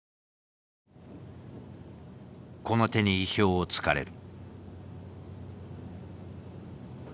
この手に意表をつかれる。